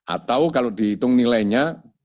atau kalau dihitung nilainya